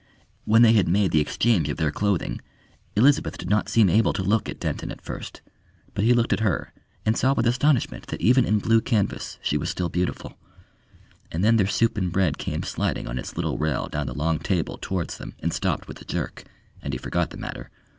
When they had made the exchange of their clothing Elizabeth did not seem able to look at Denton at first; but he looked at her, and saw with astonishment that even in blue canvas she was still beautiful. And then their soup and bread came sliding on its little rail down the long table towards them and stopped with a jerk, and he forgot the matter.